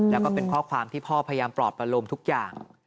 แล้วก็เป็นข้อความที่พ่อพยายามปลอบประลมทุกอย่าง